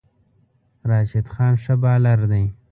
راشد خان ښه بالر دی